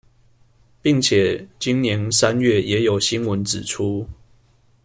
並且今年三月也有新聞指出